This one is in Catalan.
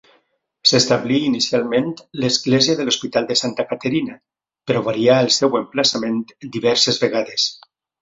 S'establí inicialment l'església de l'hospital de Santa Caterina, però varià el seu emplaçament diverses vegades.